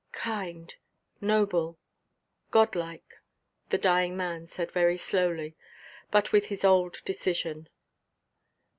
"Kind—noble—Godlike——" the dying man said very slowly, but with his old decision.